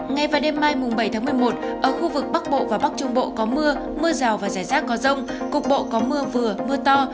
ngày và đêm mai bảy một mươi một ở khu vực bắc bộ và bắc trung bộ có mưa mưa rào và rải rác có rông cục bộ có mưa vừa mưa to